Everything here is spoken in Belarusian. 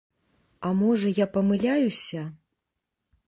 А можа я памыляюся?